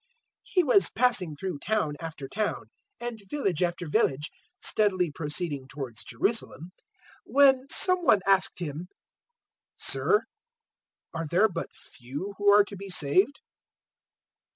013:022 He was passing through town after town and village after village, steadily proceeding towards Jerusalem, 013:023 when some one asked Him, "Sir, are there but few who are to be saved?"